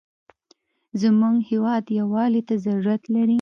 زموږ هېواد یوالي ته ضرورت لري.